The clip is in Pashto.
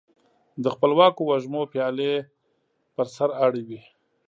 د خپلواکو وږمو پیالي پر سر اړوي